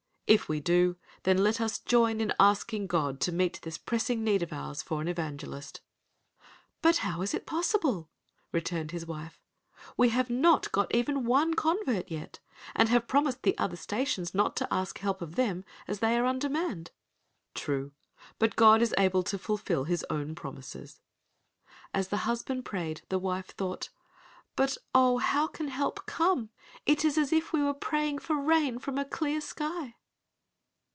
If we do, then let us join in asking God to meet this pressing need of ours for an evangelist." "But how is it possible," returned his wife. "We have not got even one convert yet, and have promised the other stations not to ask help of them as they are undermanned?" "True, but God is able to fulfil His own promises." As the husband prayed, the wife thought, "but, oh, how can help come. _It is as if we were praying for rain from a clear sky.